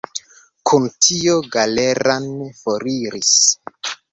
Kun tio Galeran foriris.